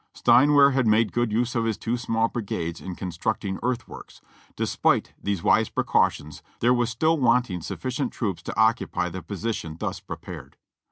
"Steinw ehr had made good use of his two small brigades in con structing earthworks. Despite these wise precautions, there was still wanting sufficient troops to occupy the position thus pre pared.